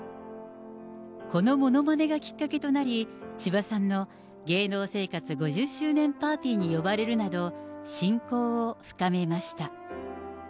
このものまねがきっかけとなり、千葉さんの芸能生活５０周年パーティーに呼ばれるなど、親交を深めました。